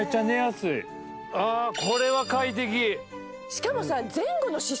しかもさ。